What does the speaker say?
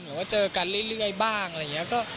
ว่าเจอกันเรื่อยบ้างอะไรอย่างนี้